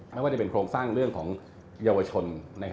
ไม่ว่าจะเป็นโครงสร้างเรื่องของเยาวชน